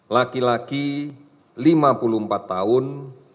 laki laki lima puluh empat tahun